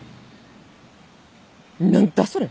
何だそれ。